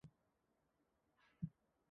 He also plays drums and guitar.